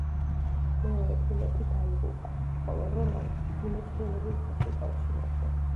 მეორე პილოტი დაიღუპა, ხოლო რომანი მძიმე ჭრილობით ჰოსპიტალში მოხვდა.